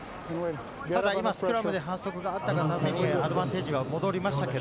今、スクラムで反則があったがために、アドバンテージを取りました。